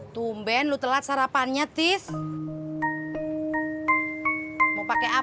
tumben lo telat sarapannya tiss